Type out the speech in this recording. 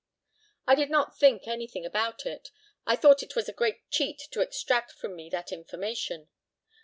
I did not think anything about it. I thought it was a great cheat to extract from me that information.